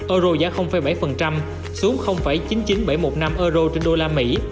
eur giảm bảy xuống chín nghìn chín trăm bảy mươi một điểm